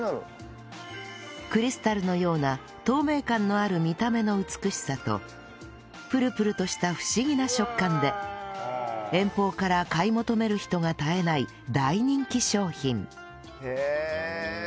クリスタルのような透明感のある見た目の美しさとぷるぷるとした不思議な食感で遠方から買い求める人が絶えない大人気商品へえ！